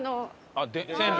あっ線路？